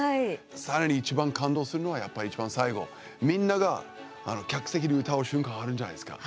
さらにいちばん感動するのはやっぱり、いちばん最後みんなが客席で歌う瞬間あるんじゃないですか。